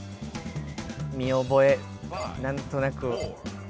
見覚え何となく。